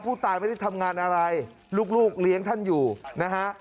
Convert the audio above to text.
ผู้ตายไม่ได้ทำงานอะไรลูกเลี้ยงท่านอยู่นะฮะ